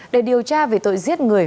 để điều tra về tội giết người